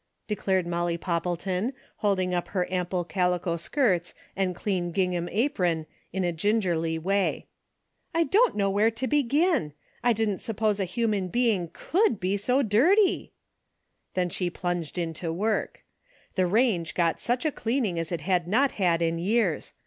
" declared Molly Poppleton, holding up her am ple calico skirts and clean gingham apron in a gingerly way. '' 1 don't know where to be gin. I didn't suppose a human being could be so dirty I " Then she plunged into work. The range got such a cleaning as it had not had in years.